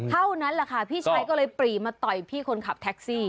เท่านั้นแหละค่ะพี่ชายก็เลยปรีมาต่อยพี่คนขับแท็กซี่